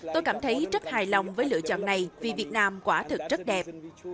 tôi cảm thấy rất hài lòng với lựa chọn này vì việt nam quả thực rất đẹp